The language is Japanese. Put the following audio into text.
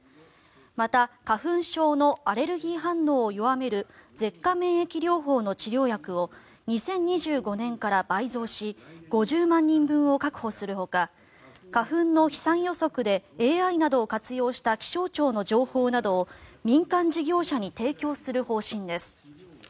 また花粉症のアレルギー反応を弱める舌下免疫療法の治療薬を２０２５年から倍増し５０万人分を確保するほか花粉の飛散予測でＡＩなどを活用した気象庁の情報などを民間事業者に提供する方針です。